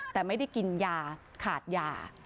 แต่ไม่ได้กินยาขาดยา